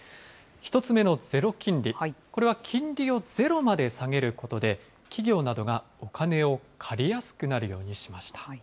１つ目のゼロ金利、これは金利をゼロまで下げることで、企業などがお金を借りやすくなるようにしました。